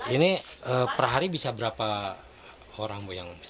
ini per hari bisa berapa orang yang bisa